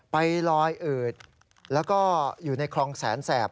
ไปลอยอืดแล้วก็อยู่ในคลองแสนแสบ